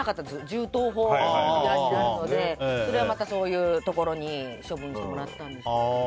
銃刀法違反なので、それはまたそういうところに処分してもらったんですけど。